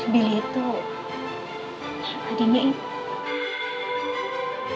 billy tuh adiknya ibu